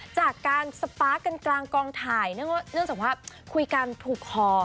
จากการสปาร์คกันกลางกองถ่ายเนื่องจากว่าคุยกันถูกคอ